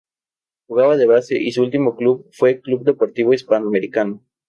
Jugaba de base y su último club fue Club Deportivo Hispano Americano.